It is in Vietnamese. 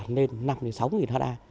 nên năm sáu ha